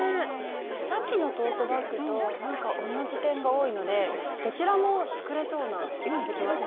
さっきのトートバッグとなんか同じ点が多いのでどちらも作れそうな気がしてきました。